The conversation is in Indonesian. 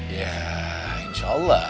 ya insya allah